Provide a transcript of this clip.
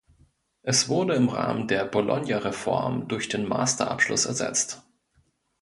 Es wurde im Rahmen der Bolognareform durch den Masterabschluss ersetzt.